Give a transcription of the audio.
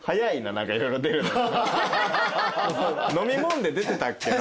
飲み物で出てたっけな。